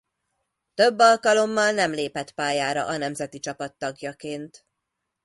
Több alkalommal nem lépett pályára a nemzeti csapat tagjaként.